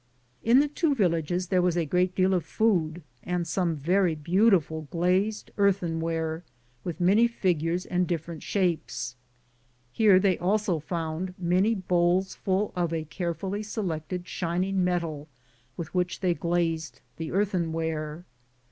In the two villages there was a great deal of food and some very beautiful glazed earthenware with many figures and different shapes. Here they also found many bowls full of a care fully selected shining metal with which they glazed the earthenware.